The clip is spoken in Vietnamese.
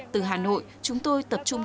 từ hà nội chúng tôi tập trung